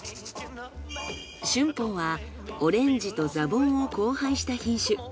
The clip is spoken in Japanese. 春峰はオレンジとザボンを交配した品種。